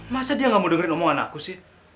masa dia gak mau dengerin omongan aku sih